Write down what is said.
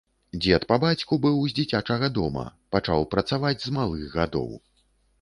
Дзед па бацьку быў з дзіцячага дома, пачаў працаваць з малых гадоў.